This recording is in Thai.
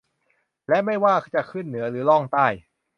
และไม่ว่าจะขึ้นเหนือหรือล่องใต้